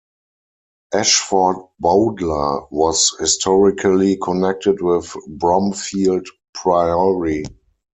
Ashford Bowdler was historically connected with Bromfield Priory.